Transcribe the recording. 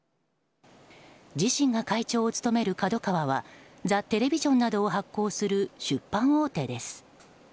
自身が会長を務めるＫＡＤＯＫＡＷＡは「ザ・テレビジョン」などを発行する出版大手です。